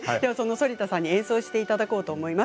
反田さんに演奏していただこうと思います。